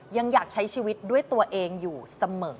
ยังอยากใช้ชีวิตด้วยตัวเองอยู่เสมอ